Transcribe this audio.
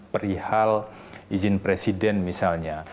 perihal izin presiden misalnya